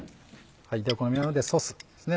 ではお好みなのでソースですね